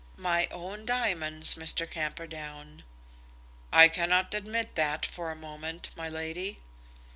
"My own diamonds, Mr. Camperdown." "I cannot admit that for a moment, my lady."